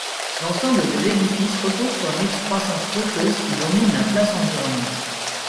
L'ensemble de l'édifice repose sur une excroissance rocheuse qui domine la place environnante.